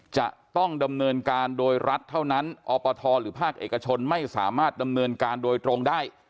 จะต้องดำเนินการโดยรัฐเท่านั้นอปทหรือภาคเอกชนไม่สามารถดำเนินการโดยตรงได้